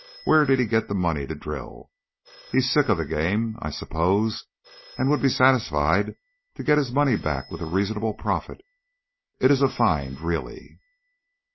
Where did he get the money to drill? He is sick of the game, I suppose, and would be satisfied to get his money back with a reasonable profit. It is a find, really."